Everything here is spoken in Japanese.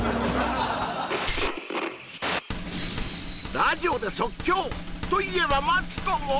ラジオで即興といえばマツコも！